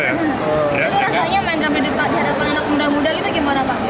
itu rasanya main drumnya di hadapan anak muda muda itu gimana pak